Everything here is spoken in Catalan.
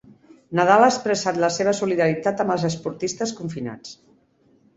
Nadal ha expressat la seva solidaritat amb els esportistes confinats.